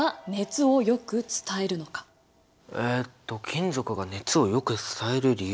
えっと金属が熱をよく伝える理由？